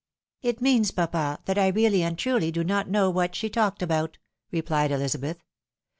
" It means, papa, that I really and truly do not know what she talked about," replied Elizabeth.